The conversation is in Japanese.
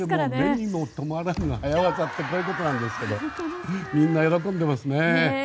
目にも留まらぬ早わざってこういうことですがみんな喜んでますね。